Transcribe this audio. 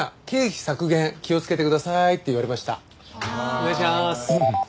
お願いします。